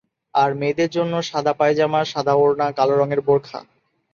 আর মেয়েদের জন্য সাদা পায়জামা, সাদা ওড়না, কালো রঙের বোরখা।